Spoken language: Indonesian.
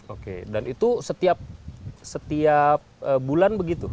oke dan itu setiap bulan begitu